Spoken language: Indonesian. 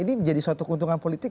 ini menjadi suatu keuntungan politik